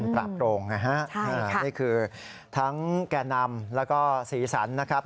ปราบโปรงไงฮะนี่คือทั้งแก่นำแล้วก็สีสันนะครับ